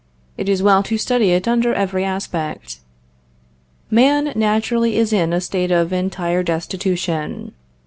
It is well to study it under every aspect. Man naturally is in a state of entire destitution.